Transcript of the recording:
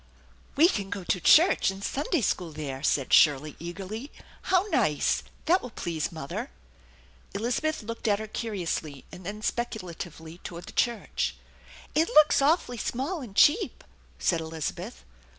"We can go to church and Sunday school there/' said Shirley eagerly. " How nice ! That will please mother !" Elizabeth looked at her curiously, and then speculatively toward the church. " It looks awfully small and cheap/' said Elizabeth.